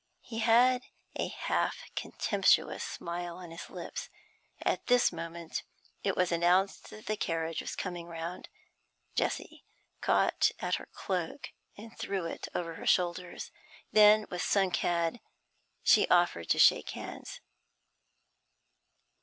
He had a half contemptuous smile on his lips. At this moment it was announced that the carriage was coming round. Jessie caught at her cloak, and threw it over her shoulders. Then, with sunk head, she offered to shake hands.